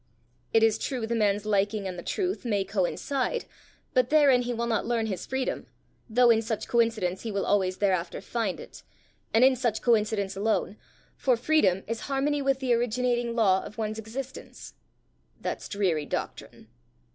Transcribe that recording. It is true the man's liking and the truth may coincide, but therein he will not learn his freedom, though in such coincidence he will always thereafter find it, and in such coincidence alone for freedom is harmony with the originating law of one's existence." "That's dreary doctrine."